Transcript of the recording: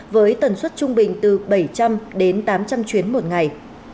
với tần suất trung bình từ bảy trăm linh đến tám trăm linh chuyến một ngày